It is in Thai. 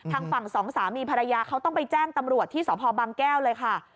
ทางฝั่งสองสามีภรรยาเขาต้องไปแจ้งตำรวจที่สพบางแก้วเลยค่ะ